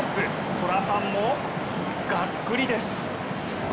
虎ファンもがっくりです。